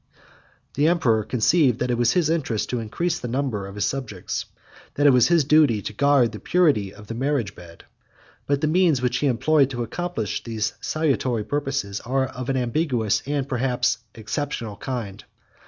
The emperor conceived, that it was his interest to increase the number of his subjects; and that it was his duty to guard the purity of the marriage bed: but the means which he employed to accomplish these salutary purposes are of an ambiguous, and perhaps exceptionable, kind.